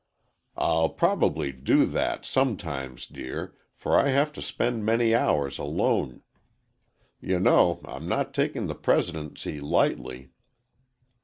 "I'll probably do that, sometimes, dear, for I have to spend many hours alone. You know, I'm not taking the presidency lightly."